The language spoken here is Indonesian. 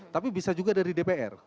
tapi bisa juga dari dpr